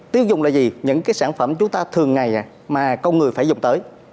tiêu dùng là gì những cái sản phẩm chúng ta thường ngày mà con người phải dùng tới